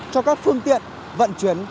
cho các phương tiện vận chuyển